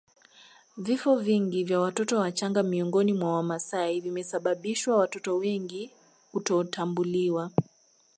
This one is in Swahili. Vifo vingi vya watoto wachanga miongoni mwa Wamasai vimesababisha watoto wengi kutotambuliwa